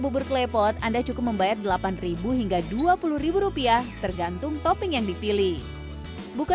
dan klepot anda cukup membayar delapan ribu hingga dua puluh rupiah tergantung topping yang dipilih buka